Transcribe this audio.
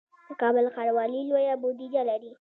د کابل ښاروالي لویه بودیجه لري